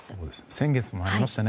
先月もありましたね。